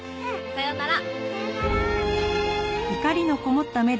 さようなら。